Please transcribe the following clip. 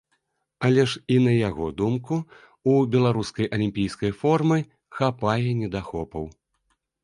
Але ж і на яго думку, у беларускай алімпійскай формы хапае недахопаў.